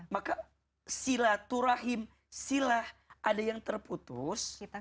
maka silaturahim silah ada yang terputus